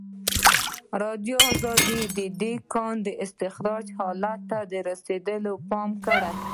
ازادي راډیو د د کانونو استخراج حالت ته رسېدلي پام کړی.